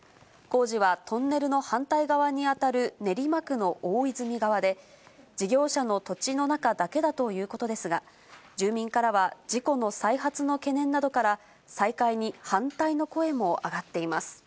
工事はトンネルの反対側に当たる練馬区の大泉側で、事業者の土地の中だけだということですが、住民からは事故の再発の懸念などから、再開に反対の声も上がっています。